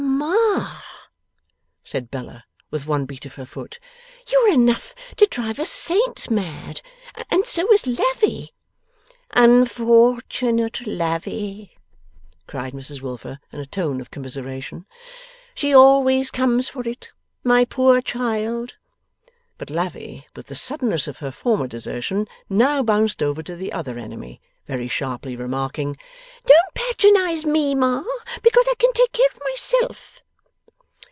'Ma,' said Bella, with one beat of her foot, 'you are enough to drive a saint mad, and so is Lavvy.' 'Unfortunate Lavvy!' cried Mrs Wilfer, in a tone of commiseration. 'She always comes for it. My poor child!' But Lavvy, with the suddenness of her former desertion, now bounced over to the other enemy: very sharply remarking, 'Don't patronize ME, Ma, because I can take care of myself.